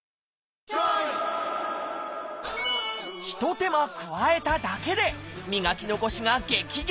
ひと手間加えただけで磨き残しが激減。